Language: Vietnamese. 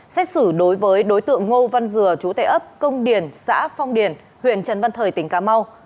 xét xử đối với đối tượng ngô văn dừa chú tây ấp công điển xã phong điển huyện trần văn thời tỉnh cà mau